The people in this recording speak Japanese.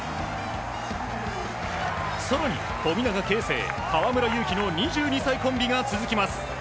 更に富永啓生、河村勇輝の２２歳コンビが続きます。